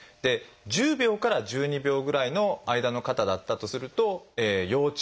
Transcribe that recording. １０秒から１２秒ぐらいの間の方だったとすると要注意。